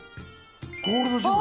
ゴールドジム。